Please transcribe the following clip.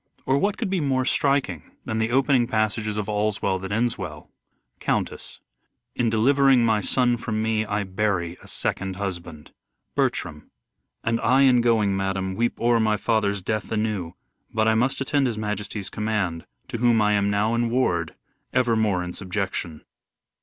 The Or, what could be more striking than the opening passages of " All's Well that Ends Well ": Countess : In delivering my son from me I bury a second husband. Bertram : And I in going, madam, weep o'er my father's death anew ; but I must attend his majesty's command, to whom I am now in ward evermore in subjection.